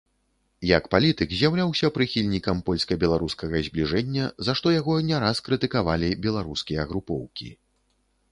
Як палітык з'яўляўся прыхільнікам польска-беларускага збліжэння, за што яго не раз крытыкавалі беларускія групоўкі.